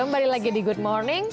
kembali lagi di good morning